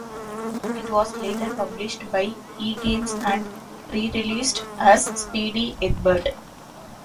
It was later published by eGames and re-released as "Speedy Eggbert".